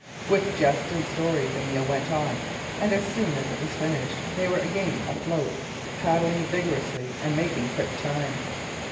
With jest and story the meal went on, and as soon as it was finished they were again afloat, paddling vigorously and making quick time.